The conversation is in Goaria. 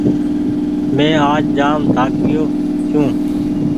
مينٚ آج جآم ٿآڪگيو ڇوٚنٚ